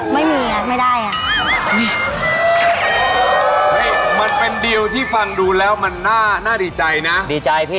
ไม่มีอ่ะไม่ได้อ่ะอุ้ยมันเป็นดิวที่ฟังดูแล้วมันน่าดีใจนะดีใจพี่